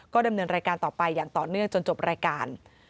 ดำเนินรายการต่อไปอย่างต่อเนื่องจนจบรายการ